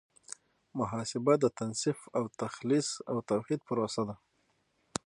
محاسبه د تنصیف او تخلیص او توحید پروسه ده.